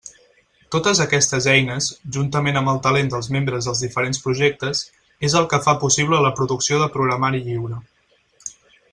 Totes aquestes eines, juntament amb el talent dels membres dels diferents projectes, és el que fa possible la producció de programari lliure.